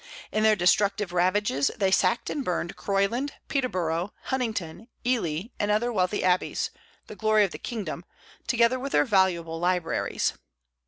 In their destructive ravages they sacked and burned Croyland, Peterborough, Huntington, Ely, and other wealthy abbeys, the glory of the kingdom, together with their valuable libraries.